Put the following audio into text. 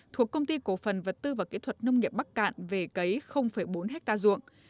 thuộc công ty cổ phần vật tư và kỹ thuật nông nghiệp bắc cạn về cấy bốn hectare ruộng